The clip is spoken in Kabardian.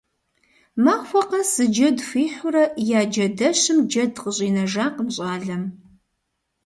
Махуэ къэс зы джэд хуихьурэ, я джэдэщым джэд къыщӏинэжакъым щӏалэм.